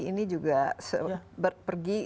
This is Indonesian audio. ini juga pergi